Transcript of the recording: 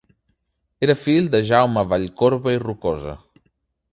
Era fill de Jaume Vallcorba i Rocosa.